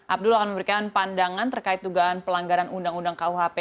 abdul akan memberikan pandangan terkait dugaan pelanggaran undang undang kuhp